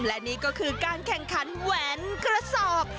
และนี่ก็คือการแข่งขันแหวนกระสอบ